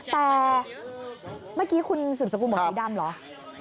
แต่เมื่อกี้คุณสุดสกุลหมดไอดำหรือ